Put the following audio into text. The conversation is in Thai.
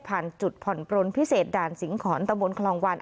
ผ่านจุดผ่อนปลนพิเศษด่านสิงหอนตะบนคลองวัน